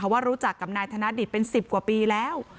ว่ารู้จักกับนายธนดิตเป็น๑๐กว่าปีแล้ว